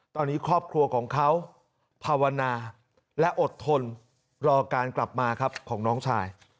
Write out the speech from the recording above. ตอนนี้ครอบครัวของเขาภาวนาและอดทนรอการกลับมาครับของน้องชาย